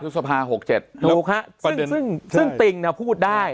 สิบเอ็ดทุกษภาห์หกเจ็ดถูกค่ะซึ่งซึ่งซึ่งติ่งน่ะพูดได้